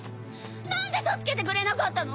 何で助けてくれなかったの！？